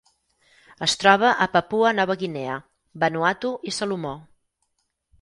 Es troba a Papua Nova Guinea, Vanuatu i Salomó.